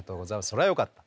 それはよかった。